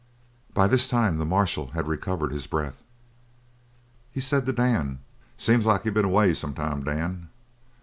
By this time the marshal had recovered his breath. He said to Dan: "Seems like you been away some time, Dan.